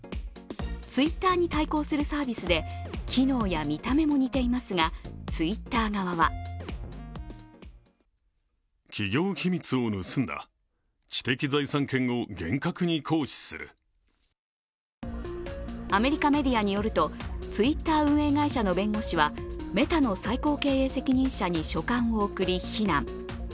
Ｔｗｉｔｔｅｒに対抗するサービスで機能や見た目も似ていますが、Ｔｗｉｔｔｅｒ側はアメリカメディアによるとＴｗｉｔｔｅｒ運営会社の弁護士は、メタの最高経営責任者に書簡を送り非難。